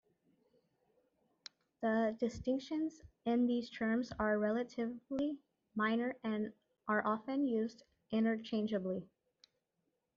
The distinctions in these terms are relatively minor and are often used interchangeably.